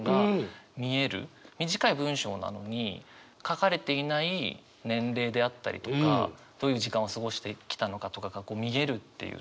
短い文章なのに書かれていない年齢であったりとかどういう時間を過ごしてきたのかとかが見えるっていうところが